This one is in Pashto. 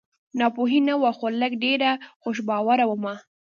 ناپوهي نه وه خو لږ ډېره خوش باوره ومه